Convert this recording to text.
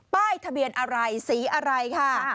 ป้ายทะเบียนอะไรสีอะไรค่ะ